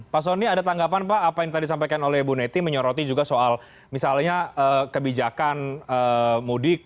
pak soni ada tanggapan pak apa yang tadi disampaikan oleh bu neti menyoroti juga soal misalnya kebijakan mudik